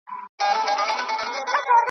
نه پیسې یې وې په کور کي نه یې مال وو .